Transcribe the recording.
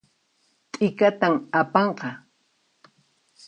T'ikatan apanqa